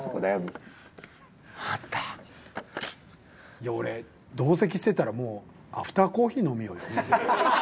いや俺同席してたらもうアフターコーヒー飲みよるよ。